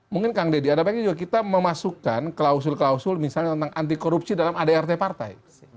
mungkin kang deddy ada baiknya juga kita memasukkan klausul klausul misalnya tentang anti korupsi dalam adrt partai